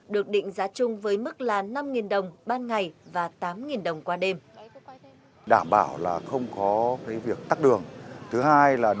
được định giá chung với mức là năm đồng ban ngày và tám đồng qua đêm